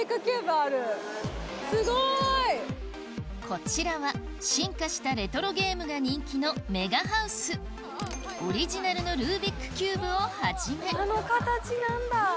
こちらは進化したレトロゲームが人気のオリジナルのルービックキューブをはじめあの形何だ⁉